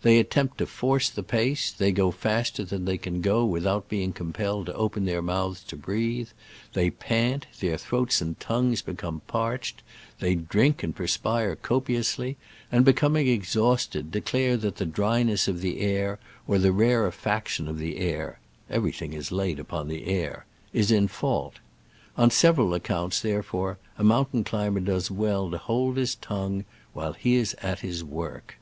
They attempt to *' force the pace ;" they go faster than they can go without being compelled to open their mouths to breathe ; they pant, their throats and tongues become parched; they drink and perspire copiously, and, becoming exhausted, declare that the dryness of the air or the rarefaction of the air (everything is laid upon the air) is in fault. On several accounts, there fore, a mountain climber does well to hold his tongue when he is at his work.